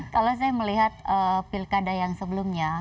kalau saya melihat pilkada yang sebelumnya